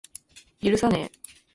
許さねぇ。